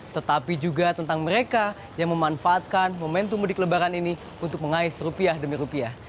tetapi juga tentang mereka yang memanfaatkan momentum mudik lebaran ini untuk mengais rupiah demi rupiah